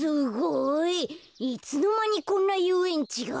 いつのまにこんなゆうえんちが？